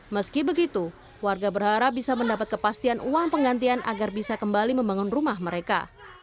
meski begitu warga berharap bisa mendapat kepastian uang penggantian agar bisa kembali membangun rumah mereka